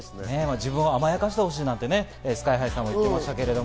自分を甘やかしてほしいとＳＫＹ−ＨＩさんは言ってました。